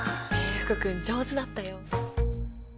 福君上手だったよ。